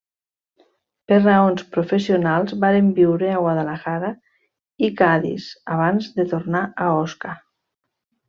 Per raons professionals varen viure a Guadalajara i Cadis abans de tornar a Osca.